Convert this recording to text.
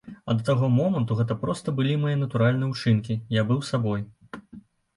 А да таго моманту гэта проста былі мае натуральныя ўчынкі, я быў сабой.